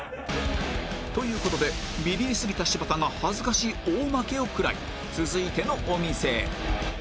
という事でビビりすぎた柴田が恥ずかしい大負けを食らい続いてのお店へ